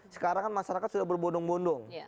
sekarang kan masyarakat sudah berbondong bondong